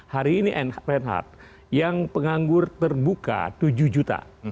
hari ini reinhardt yang penganggur terbuka tujuh juta